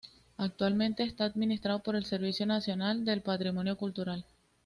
Actualmente está administrado por el Servicio Nacional del Patrimonio Cultural.